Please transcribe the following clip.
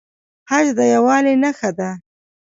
حج د یووالي نښه ده